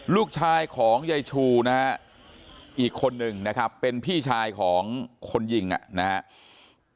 ลูกชายของยายชูนะฮะอีกคนนึงนะครับเป็นพี่ชายของคนยิงนะครับ